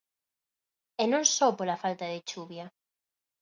E non só pola falta de chuvia.